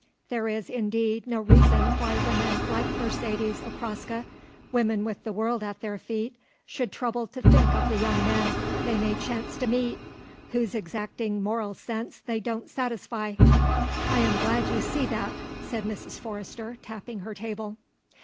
There is indeed no reason why women like Mercedes Okraska, women with the world at their feet, should trouble to think of the young men they may chance to meet, whose exacting moral sense they don't satisfy. I am glad you see that," said Mrs. Forrester, tapping her table.